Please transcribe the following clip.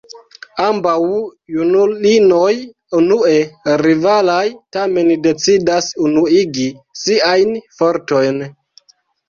Ambaŭ junulinoj unue rivalaj tamen decidas unuigi siajn fortojn.